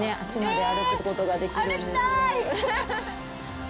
歩きたい！